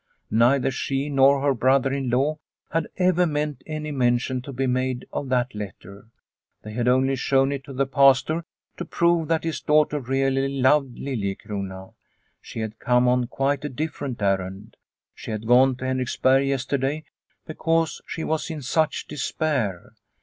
Neither she nor her brother in law had ever meant any mention to be made of that letter. They had only shown it to the Pastor to prove that his daughter really loved Liliecrona. She had come on quite a different errand. She had gone to Henriksberg yesterday because she was in such despair.